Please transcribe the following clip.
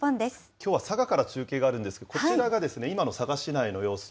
きょうは佐賀から中継があるんですけれども、こちらが今の佐賀市内の様子。